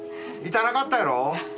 痛なかったやろ？